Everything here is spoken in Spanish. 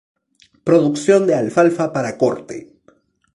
Producción de alfalfa para corte.